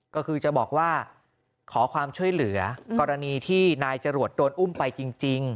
ก็คือจะบอกว่าขอความช่วยเหลือกรณีที่นายจรวดโดนอุ้มไปจริง